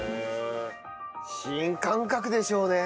新感覚でしょうね。